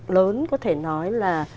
lớn có thể nói là